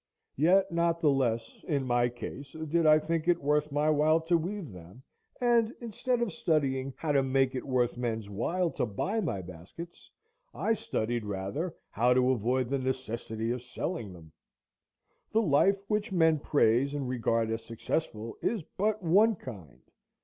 Yet not the less, in my case, did I think it worth my while to weave them, and instead of studying how to make it worth men's while to buy my baskets, I studied rather how to avoid the necessity of selling them. The life which men praise and regard as successful is but one kind.